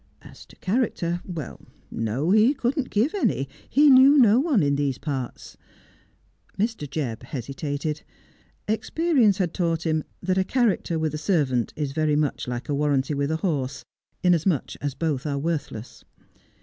As to character, well, no, he couldn't give any ; he knew no one in those parts. Mr. Jebb hesitated. Experience had taught him that a character with a servant is very much like a warranty with a horse, inasmuch as both are worthless.